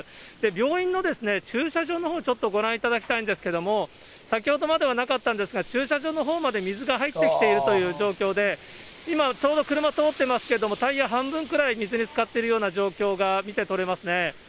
病院の駐車場のほう、ちょっとご覧いただきたいんですけれども、先ほどまではなかったんですが、駐車場のほうまで水が入ってきているという状況で、今、ちょうど車通ってますけれども、タイヤ半分くらい水につかっているような状況が見て取れますね。